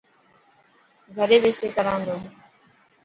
گهري ٻيسي ڪران تو.